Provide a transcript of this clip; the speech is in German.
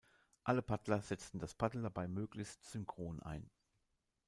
Alle Paddler setzen das Paddel dabei möglichst synchron ein.